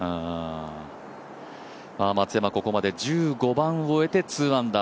松山、ここまで１５番を終えて２アンダー